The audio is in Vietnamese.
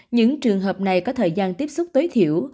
những trường hợp này có thời gian tiếp xúc tối thiểu